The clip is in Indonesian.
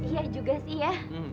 iya juga sih ya